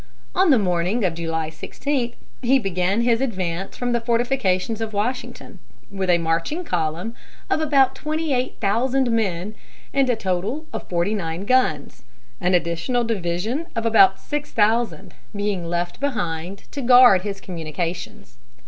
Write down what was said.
On the morning of July 16, he began his advance from the fortifications of Washington, with a marching column of about twenty eight thousand men and a total of forty nine guns, an additional division of about six thousand being left behind to guard his communications.